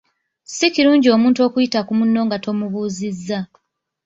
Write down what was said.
Si kirungi omuntu okuyita ku munno nga tomubuuzizza.